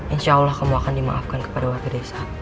insya allah kamu akan dimaafkan kepada warga desa